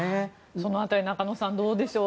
その辺り中野さん、どうでしょう？